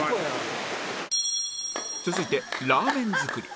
続いてラーメン作り